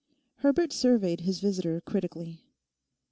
Herbert surveyed his visitor critically.